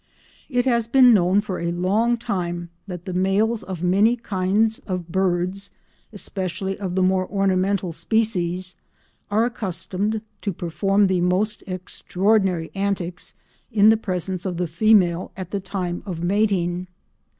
It has been known for a long time that the males of many kinds of birds—and especially of the more ornamental species—are accustomed to perform the most extraordinary antics in the presence of the female at the time of mating.